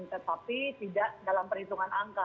tetapi tidak dalam perhitungan angka